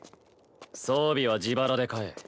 装備は自腹で買え。